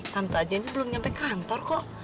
tante aja ini belum nyampe kantor kok